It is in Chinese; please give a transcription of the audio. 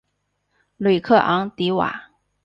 吕克昂迪瓦。